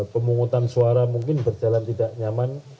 pemungutan suara mungkin berjalan tidak nyaman